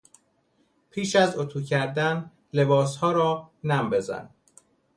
پیش از اطو کردن لباسها را نم بزن.